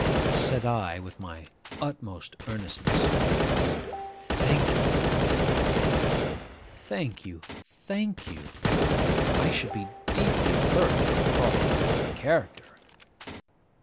Said I, with my utmost earnestness, 'Thank you, Lady Fareway, thank you, thank you! I should be deeply hurt if I thought I bore the character.